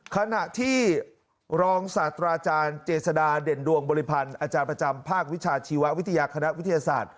ขณะที่รองศาสตราอาจารย์เจษฎาเด่นดวงบริพันธ์อาจารย์ประจำภาควิชาชีววิทยาคณะวิทยาศาสตร์